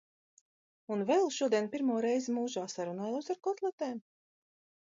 Un vēl šodien pirmo reizi mūžā sarunājos ar kotletēm.